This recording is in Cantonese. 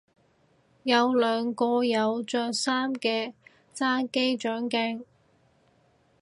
有兩個有着衫嘅揸機掌鏡